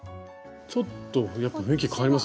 ちょっとやっぱ雰囲気変わりますね。